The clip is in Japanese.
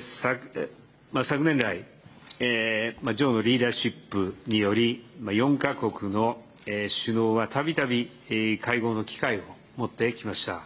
昨年来、ジョーのリーダーシップにより、４か国の首脳はたびたび会合の機会を持ってきました。